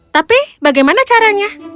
tapi bagaimana caranya